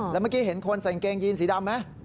แล้วเห็นคนใส่แก๊งยีนต์สีดำมั้ย